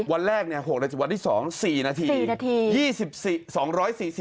วันแรก๖นาทีวันที่๒๔นาที